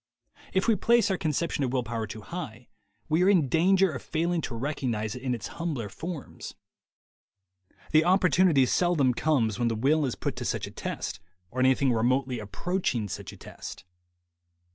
If we place our conception of will power too high, we are in danger of failing to recognize it in its humbler forms. The opportunity seldom comes when the will is put to such a test, or anything remotely approaching such a test.